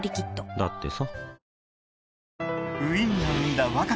だってさ